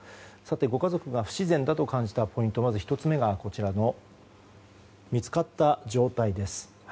ご家族が不自然だと感じたポイントのまず１つ目が見つかった状態です。